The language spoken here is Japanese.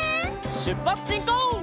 しゅっぱつしんこう！